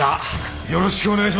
よろしくお願いします！